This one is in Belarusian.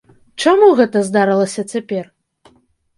Чаму гэта здарылася цяпер?